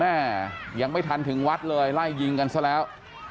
แม่ยังไม่ทันถึงวัดเลยไล่ยิงกันซะแล้ว